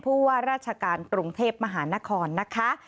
ว่าราชการกรุงเทพมหานครนะคะ